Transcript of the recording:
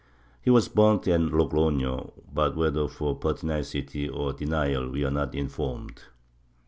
He was burnt at Logroho, but whether for pertinacity or denial we are not informed.